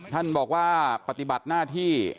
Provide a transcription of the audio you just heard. ท่านบอกว่าปฏิบัติหน้าที่